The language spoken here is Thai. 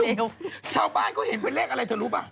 เกี่ยวกับชาวบ้านเขาเห็นเป็นเลขอะไรเธอรู้ไหม